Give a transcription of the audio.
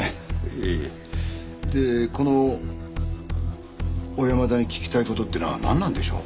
いえいえでこの小山田に聞きたいことってのは何なんでしょう？